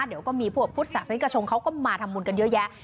เดี๋ยวก็มีพวกพุทธศาสนิกชนเขาก็มาทำบุญกันเยอะแยะ